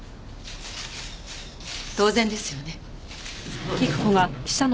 当然ですよね。